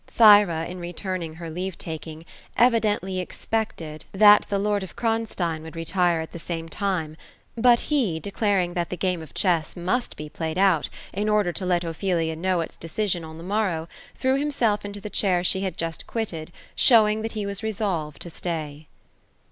Thyra in returning her leave taking, evidently expected that the lord 244 OPHELIA ; of Kronsiein would retire at the same time ; but he, declaring that the game of chess must be played out, in order to let Ophelia know its de cision, on the morrow, threw himself into the chair she had just quitted, showing that he was resolved to stay.